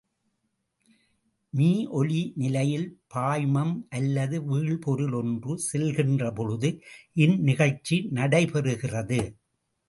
மீஒலி நிலையில் பாய்மம் அல்லது வீழ்பொருள் ஒன்று செல்லுகின்ற பொழுது இந்நிகழ்ச்சி நடைபெறுகிறது.